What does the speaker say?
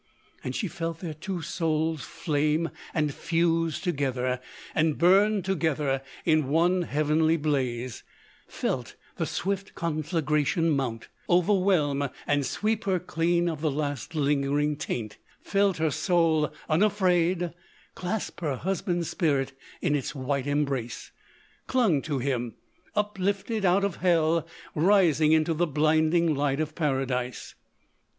And she felt their two souls flame and fuse together, and burn together in one heavenly blaze—felt the swift conflagration mount, overwhelm, and sweep her clean of the last lingering taint; felt her soul, unafraid, clasp her husband's spirit in its white embrace—clung to him, uplifted out of hell, rising into the blinding light of Paradise.